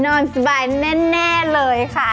นอนสบายแน่เลยค่ะ